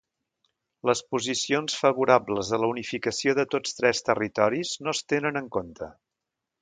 Les posicions favorables a la unificació de tots tres territoris no es tenen en compte.